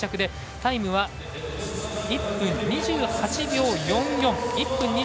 タイムは１分２８秒４４。